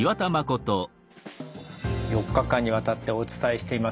４日間にわたってお伝えしています